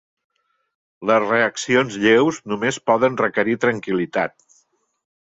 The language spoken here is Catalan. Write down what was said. Les reaccions lleus només poden requerir tranquil·litat.